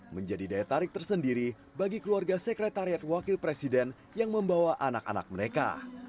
menjadi daya tarik tersendiri bagi keluarga sekretariat wakil presiden yang membawa anak anak mereka